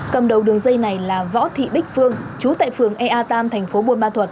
cầm đầu đường dây này là võ thị bích phương trú tại phường ea ba tp hcm